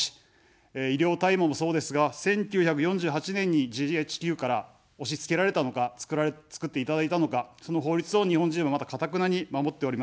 医療大麻もそうですが、１９４８年にＧＨＱから押しつけられたのか、作っていただいたのか、その法律を日本人は、まだかたくなに守っております。